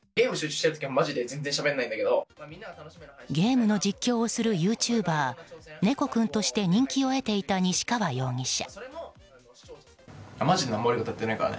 ゲームの実況をするユーチューバーねこくん！として人気を得ていた西川容疑者。